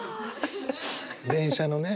電車のね